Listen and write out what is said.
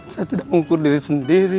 saya tidak mengukur diri sendiri